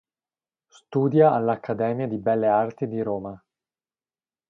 Studia all'Accademia di Belle Arti di Roma.